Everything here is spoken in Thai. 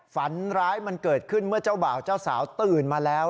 ฝันร้ายมันเกิดขึ้นเมื่อเจ้าบ่าวเจ้าสาวตื่นมาแล้ว